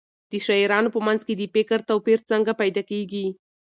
د شاعرانو په منځ کې د فکر توپیر څنګه پیدا کېږي؟